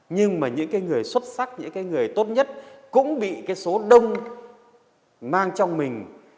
nhưng mà những người xuất sắc những người tốt nhất cũng bị số đông mang trong mình